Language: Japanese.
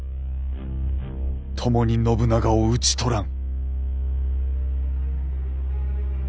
共に信長を討ち取らん」。